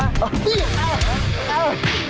รถลงไป